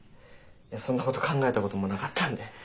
いやそんなこと考えたこともなかったんで。